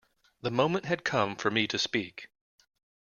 The moment had come for me to speak.